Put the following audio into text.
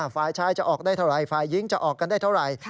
ฝ่ายชายจะออกได้เท่าไหร่ฝ่ายหญิงจะออกกันได้เท่าไหร่